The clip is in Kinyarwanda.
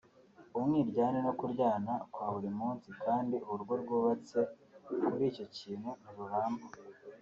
umwiryane no kurwana kwa buri munsi kandi urugo rwubatse kuri icyo kintu ntiruramba